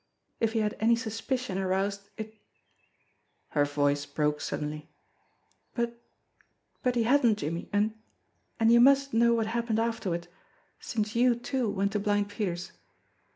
If he had any sus picion aroused it " Her voice broke suddenly. "But but he hadn't, Jimmie, and and you must know what hap pened afterward since you, too, went to Blind Peter's."